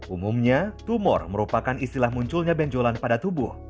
umumnya tumor merupakan istilah munculnya benjolan pada tubuh